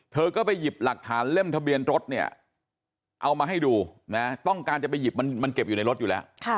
เธอก็ไปหยิบหลักฐานเล่มทะเบียนรถเนี่ยเอามาให้ดูนะต้องการจะไปหยิบมันเก็บอยู่ในรถอยู่แล้ว